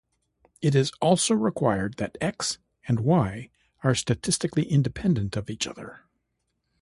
It is also required that "X" and "Y" are statistically independent of each other.